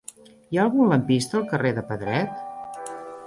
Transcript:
Hi ha algun lampista al carrer de Pedret?